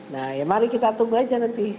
nah ya mari kita tunggu aja nanti